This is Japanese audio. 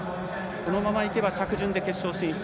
このままいけば着順で決勝進出。